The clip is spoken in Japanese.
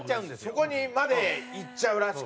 そこにまでいっちゃうらしくて。